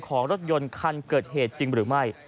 ของรถยนต์คันเกิดเหตุจริงหรือไม่